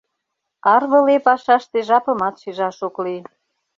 Арвыле пашаште жапымат шижаш ок лий.